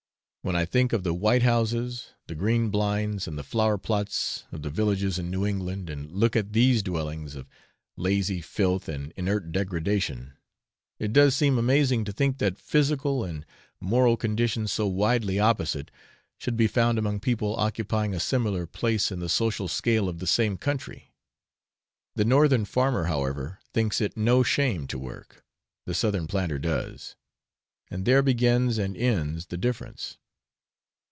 When I think of the white houses, the green blinds, and the flower plots, of the villages in New England, and look at these dwellings of lazy filth and inert degradation, it does seem amazing to think that physical and moral conditions so widely opposite should be found among people occupying a similar place in the social scale of the same country. The Northern farmer, however, thinks it no shame to work, the Southern planter does; and there begins and ends the difference.